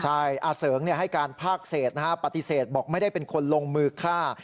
ใช่อาเสริงให้การภาคเศษนะฮะปฏิเสธบอกไม่ได้เป็นคนลงมือฆ่า